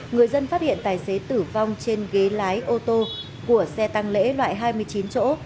người dân phát hiện tài xế tử vong trên ghế lái ô tô của xe tăng lễ loại hai mươi chín chỗ